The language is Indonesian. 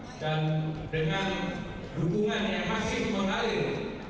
dan dengan dukungan yang masih mengalir